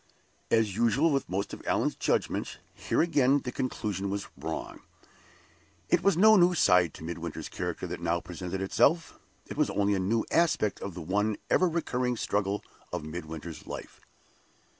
As usual with most of Allan's judgments, here again the conclusion was wrong. It was no new side to Midwinter's character that now presented itself it was only a new aspect of the one ever recurring struggle of Midwinter's life.